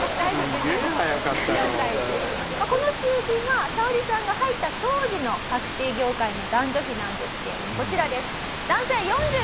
この数字はサオリさんが入った当時のタクシー業界の男女比なんですけれどもこちらです。